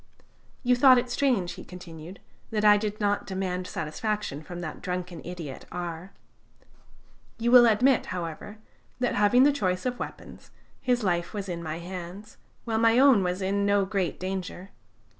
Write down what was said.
"You thought it strange," he continued, "that I did not demand satisfaction from that drunken idiot R . You will admit, however, that having the choice of weapons, his life was in my hands, while my own was in no great danger.